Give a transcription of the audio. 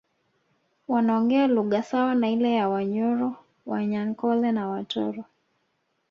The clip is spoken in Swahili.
Wanaongea lugha sawa na ile ya Wanyoro Wanyankole na Watoro